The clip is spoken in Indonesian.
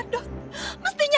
aku mau ke rumah